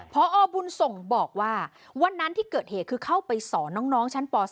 พอบุญส่งบอกว่าวันนั้นที่เกิดเหตุคือเข้าไปสอนน้องชั้นป๔